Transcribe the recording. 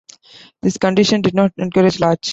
These conditions did not encourage large.